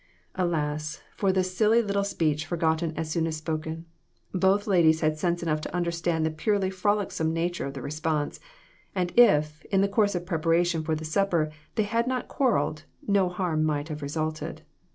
Alas, for the silly little speech forgotten as soon as spoken ! Both ladies had sense enough to understand the purely frolicsome nature of the response, and if, in the course of preparation for the supper they had not quarreled, no harm might have resulted.